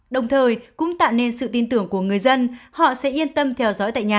đồng thời cũng tạo nên sự tin tưởng của người dân họ sẽ yên tâm theo dõi tại nhà